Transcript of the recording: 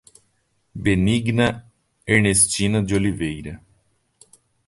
Benigna Ernestina de Oliveira